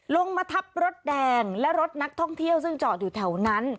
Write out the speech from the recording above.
ลงมาทับรถแดงและรถนักท่องเที่ยวซึ่งจอดอยู่แถวนั้น